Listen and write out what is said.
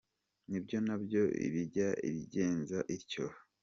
Nibyo na byo ijya ibigenza ityo.